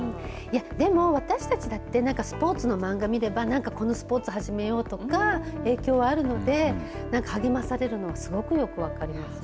でも私たちだってスポーツの漫画を見れば何かこのスポーツはじめようとか影響はあるので励まされるのすごくよく分かりますね。